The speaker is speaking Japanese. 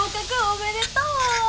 おめでとう！